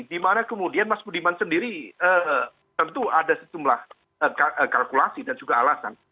dimana kemudian mas budiman sendiri tentu ada sejumlah kalkulasi dan juga alasan